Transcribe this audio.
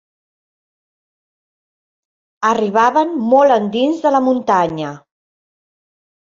Arribaven molt endins de la muntanya